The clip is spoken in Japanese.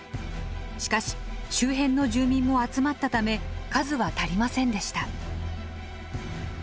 しかし周辺の住民も集まったため数は足りませんでした。